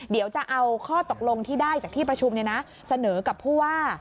เดี๋ยวจะเอาข้อตกลงที่ได้จากที่ประชุมเสนอกับผู้ว่า